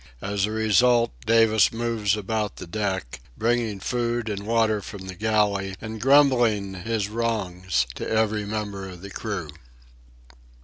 As a result, Davis moves about the deck, bringing food and water from the galley and grumbling his wrongs to every member of the crew.